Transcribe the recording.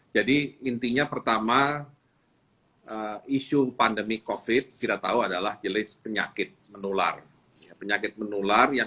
jadi intinya pertama isu pandemi covid tidak tahu adalah jelis penyakit menular penyakit menular yang